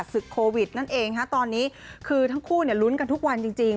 โควิดนั่นเองฮะตอนนี้คือทั้งคู่ลุ้นกันทุกวันจริง